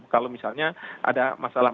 kalau misalnya ada masalah